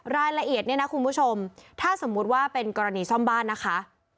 รายละเอียดเนี่ยนะคุณผู้ชมถ้าสมมุติว่าเป็นกรณีซ่อมบ้านนะคะ